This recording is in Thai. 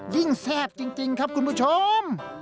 ยิ่งแทบจริงครับคุณผู้ชม